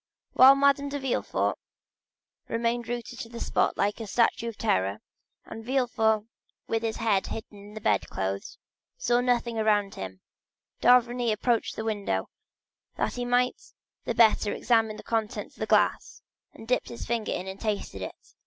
While Madame de Villefort remained rooted to the spot like a statue of terror, and Villefort, with his head hidden in the bedclothes, saw nothing around him, d'Avrigny approached the window, that he might the better examine the contents of the glass, and dipping the tip of his finger in, tasted it.